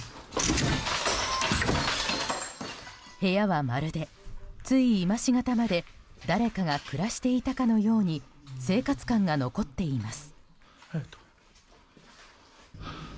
部屋はまるで、つい今しがたまで誰かが暮らしていたかのように生活感が残っています。